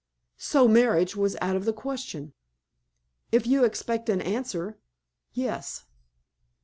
"So marriage was out of the question?" "If you expect an answer—yes."